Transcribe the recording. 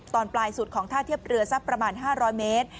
ตอนปลายสุดของท่าเทียบเรือสักประมาณ๕๐๐เมตร